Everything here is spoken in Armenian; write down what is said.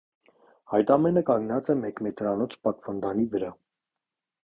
Այդ ամենը կանգնած է մեկմետրանոց պատվանդանի վրա։